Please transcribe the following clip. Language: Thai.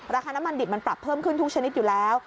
ราคาน้ำมันดิบมันปรับเพิ่มขึ้นทุกชนิดอยู่แล้ว